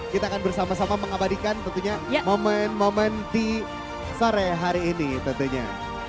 kita akan bersama sama mengabadikan tentunya momen momen di sore hari ini tentunya